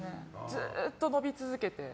ずっと伸び続けて。